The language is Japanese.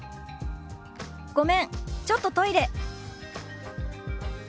「ごめんちょっとトイレ」。